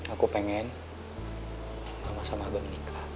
aku pengen mama sama abah menikah